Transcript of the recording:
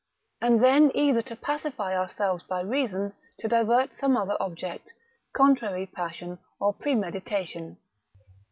And then either to pacify ourselves by reason, to divert by some other object, contrary passion, or premeditation.